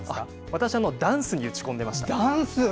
私ダンスに打ち込んでいました。